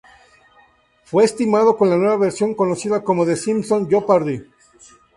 Fue estimado que la nueva versión, conocida como "The Simpsons Jeopardy!